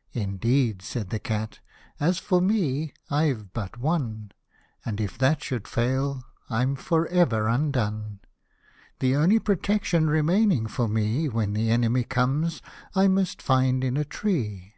" Indeed !" said the cat ;'* as for me, I've but one, And if that should fail I'm for ever undone, The only protection remaining for me, When the enemy comes, I must find in a tree."